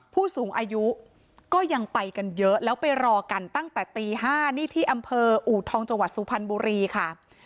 ผู้สูงอายุก็ยังไปกันเยอะแล้วไปรอกันตั้งแต่ตี๕นี่ที่อำเภออูทองจังหวัดสุพรรณบุรีค่ะ